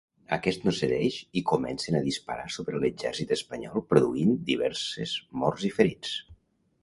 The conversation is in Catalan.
Aquest no cedeix i comencen a disparar sobre l'exèrcit espanyol produint diverses morts i ferits.